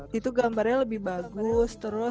di situ gambarnya lebih bagus terus kita bisa nge review ulang